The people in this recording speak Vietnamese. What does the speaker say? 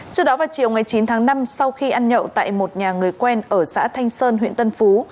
trước đó vào chiều ngày chín tháng năm sau khi ăn nhậu tại một nhà người quen ở xã thanh sơn huyện tân phú